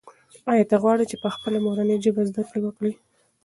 آیا ته غواړې چې په خپله مورنۍ ژبه زده کړه وکړې؟